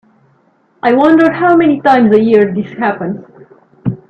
I wonder how many times a year this happens.